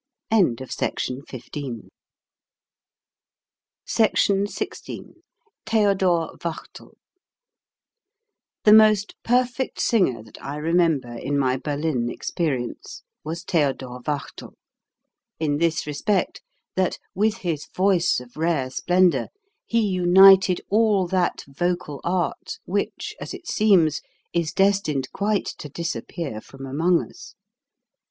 SECTION XVI THEODOR WACHTEL THE most perfect singer that I remember in my Berlin experience was Theodor Wachtel, in this respect, that with his voice of rare splendor he united all that vocal art which, as it seems, is destined quite to disappear from among us.